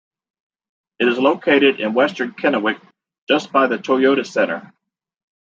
It is located in western Kennewick, just by the Toyota Center.